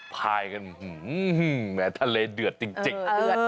พายกันแหมทะเลเดือดจริง